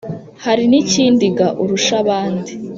hari n' ikindi ga urusha abandi